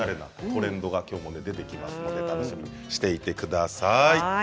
トレンドが出てきますので楽しみにしていてください。